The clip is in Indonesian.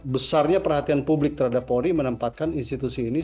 besarnya perhatian publik terhadap polri menempatkan institusi ini